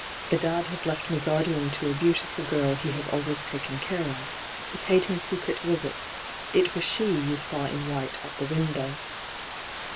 ' The dad has left me guardian to a beautiful girl he has always taken care of, who paid him secret visits ; it was she you saw in white at the window.